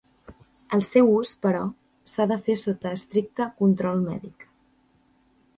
El seu ús, però, s'ha de fer sota estricte control mèdic.